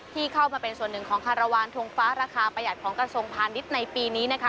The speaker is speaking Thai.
ที่เข้ามาเป็นส่วนหนึ่งของคารวาลทงฟ้าราคาประหยัดของกระทรวงพาณิชย์ในปีนี้นะคะ